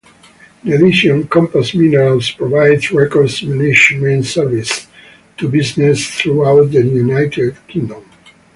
In addition, Compass Minerals provides records management services to businesses throughout the United Kingdom.